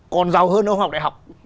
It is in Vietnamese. còn giàu hơn ông học đại học